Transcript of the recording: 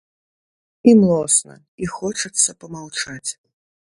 І млосна, і хочацца памаўчаць.